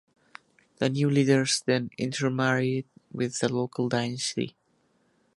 The new leaders then intermarried with the local dynasty.